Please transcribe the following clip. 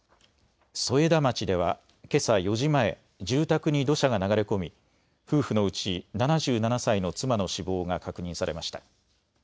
添田町ではけさ４時前、住宅に土砂が流れ込み夫婦のうち７７歳の妻の死亡が確認されました。